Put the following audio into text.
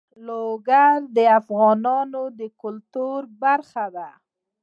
لوگر د افغانانو د ګټورتیا برخه ده.